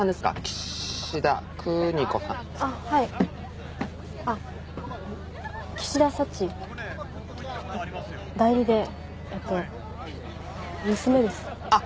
岸田邦子さんあっはいあっ岸田サチ代理でえっと娘ですあっ